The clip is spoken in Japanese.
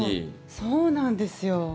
そうなんですよ。